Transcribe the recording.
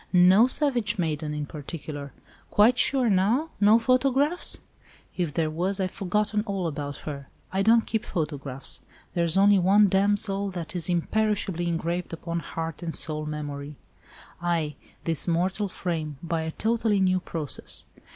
No savage maiden in particular. Quite sure, now? No photograph?" "If there was, I've forgotten all about her. I don't keep photographs. There's only one damsel that is imperishably engraved upon heart and soul—memory, aye, this mortal frame—by a totally new process.